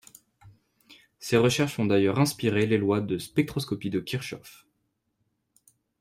Ses recherches ont d'ailleurs inspiré les lois de spectroscopie de Kirchhoff.